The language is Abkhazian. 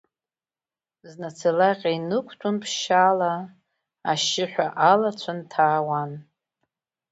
Зны ацалаҟьа инықәтәон ԥшьшьала, ашьшьыҳәа алацәа нҭаауан.